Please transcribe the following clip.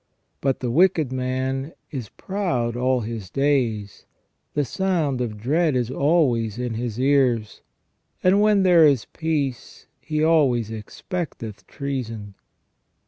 But "the wicked man is proud all his days, the sound of dread is always in his ears : and when there is peace he always expecteth treason